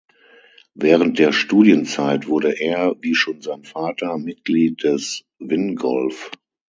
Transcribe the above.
Während der Studienzeit wurde er, wie schon sein Vater, Mitglied des Wingolf.